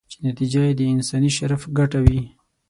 چې نتیجه یې د انساني شرف ګټه وي.